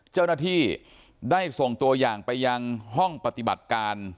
เจ้าหน้าที่ได้ส่งตัวอย่างไปยังห้องปฏิบัติการ